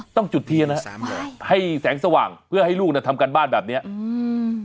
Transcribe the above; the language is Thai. จุดเทียนฮะให้แสงสว่างเพื่อให้ลูกเนี้ยทำการบ้านแบบเนี้ยอืม